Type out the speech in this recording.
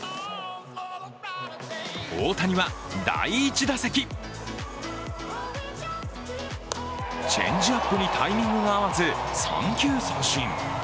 大谷は第１打席、チェンジアップにタイミングが合わず三球三振。